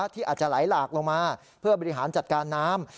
ที่อาจจะไหลหลากลงมาเพื่อบริหารจัดการน้ำ